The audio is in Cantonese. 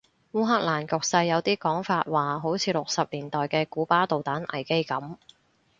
烏克蘭局勢有啲講法話好似六十年代嘅古巴導彈危機噉